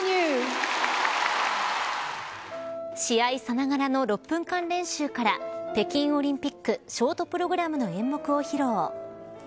試合さながらの６分間練習から北京オリンピックショートプログラムの演目を披露。